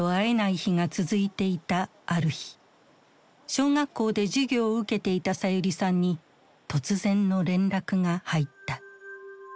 小学校で授業を受けていたさゆりさんに突然の連絡が入った。